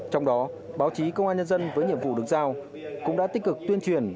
trong đó báo chí công an nhân dân với nhiệm vụ được giao cũng đã tích cực tuyên truyền